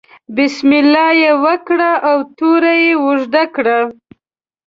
بسم الله یې وکړه او توره یې اوږده کړه.